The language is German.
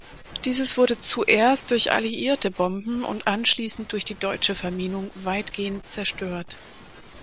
Dieses wurde zuerst durch alliierte Bomben und anschließend durch die deutsche Verminung weitgehend zerstört.